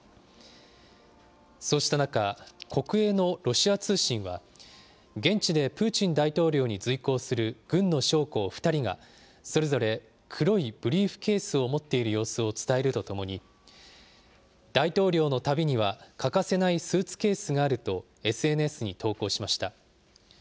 そうした中、国営のロシア通信は、現地でプーチン大統領に随行する軍の将校２人が、それぞれ黒いブリーフケースを持っている様子を伝えるとともに、大統領の旅には欠かせないスーツケースがあるとＳＮＳに投稿しました。